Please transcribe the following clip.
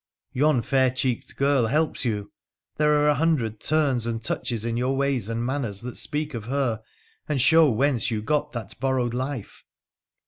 Yon fair cheeked girl helps you. There are a hundred turns and touches in your ways and manners that speak of her, and sho w whence you got that borrowed life.'